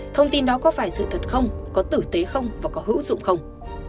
thông tin đó có phải sự thật không có tử tế không và có hữu dụng không